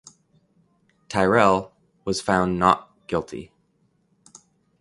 Tirrell was found not guilty.